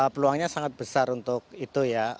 peluangnya sangat besar untuk itu ya